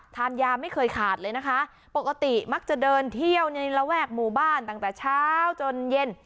ทานยาไม่เคยขาดเลยนะคะปกติมักจะเดินเที่ยวในระแวกหมู่บ้านตั้งแต่เช้าจนเย็น